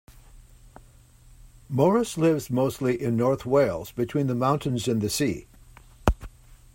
Morris lives mostly in North Wales, between the mountains and the sea.